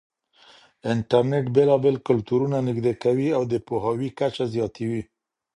انټرنېټ بېلابېل کلتورونه نږدې کوي او د پوهاوي کچه زياتوي.